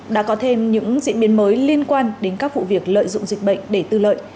đã có thêm những diễn biến mới liên quan đến các vụ việc lợi dụng dịch bệnh để tư lợi